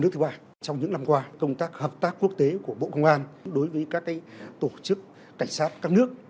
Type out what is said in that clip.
trong những năm qua công tác hợp tác quốc tế của bộ công an đối với các tổ chức cảnh sát các nước